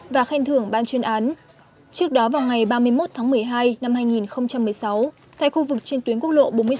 và khen thưởng ban chuyên án trước đó vào ngày ba mươi một tháng một mươi hai năm hai nghìn một mươi sáu tại khu vực trên tuyến quốc lộ bốn mươi bốn